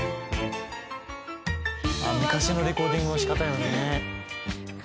「昔のレコーディングの仕方よね」